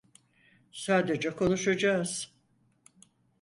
Sadece konuşacağız.